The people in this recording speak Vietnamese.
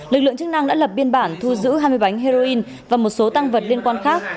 lực lượng chức năng đã lập biên bản thu giữ hai mươi bánh heroin và một số tăng vật liên quan khác